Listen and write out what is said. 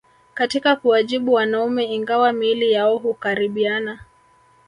Katika kuwajibu wanaume ingawa miili yao hukaribiana